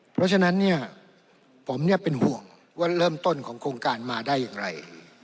เพราะฉะนั้นเนี่ยผมเป็นห่วงว่าเริ่มต้นของโครงการมาได้อย่างไร